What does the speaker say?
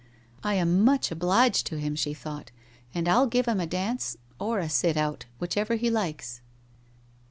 ' I am much obliged to him/ she thought, ' and I'll give him a dance or a sit out, which ever he likes.'